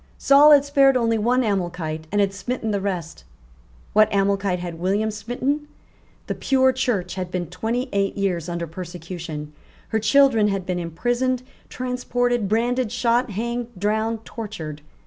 Saul had spared only one Amalekite, and had smitten the rest. What Amalekite had William smitten? The pure Church had been twenty eight years under persecution. Her children had been imprisoned, transported, branded, shot, hanged, drowned, tortured.